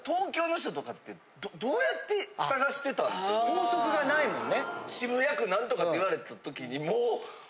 法則がないもんね。